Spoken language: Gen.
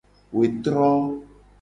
Wetro.